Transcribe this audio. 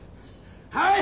はい！